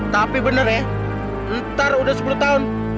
tapi bener ya ntar udah sepuluh tahun